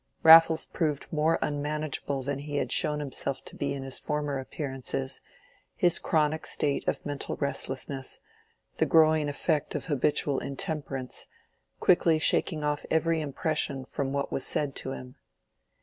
Raffles proved more unmanageable than he had shown himself to be in his former appearances, his chronic state of mental restlessness, the growing effect of habitual intemperance, quickly shaking off every impression from what was said to him.